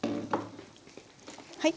はい。